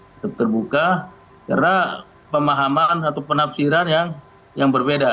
tetap terbuka karena pemahaman atau penafsiran yang berbeda